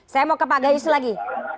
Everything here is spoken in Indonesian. saya mau ke pak gayus lagi